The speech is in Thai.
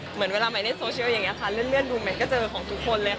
เหมือนเวลาใหม่เล่นโซเชียลอย่างนี้ค่ะเลื่อนดูใหม่ก็เจอของทุกคนเลยค่ะ